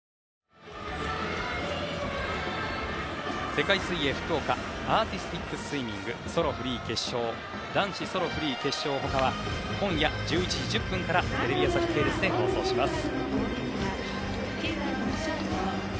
世界水泳福岡アーティスティックスイミングソロフリー決勝男子ソロフリー決勝他は今夜１１時１０分からテレビ朝日系列で放送します。